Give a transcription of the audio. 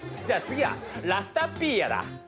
じゃあ次は「ラスタピーヤ」だ。